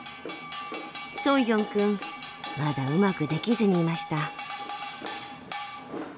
ソンヒョンくんまだうまくできずにいました。